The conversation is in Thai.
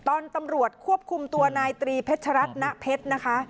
ตำรวจควบคุมตัวนายตรีเพชรัตนเพชรนะคะ